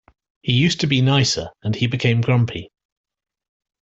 He used to be nicer and he became grumpy.